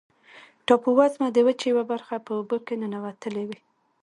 ټاپووزمه د وچې یوه برخه په اوبو کې ننوتلې وي.